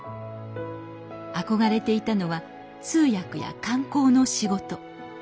憧れていたのは通訳や観光の仕事。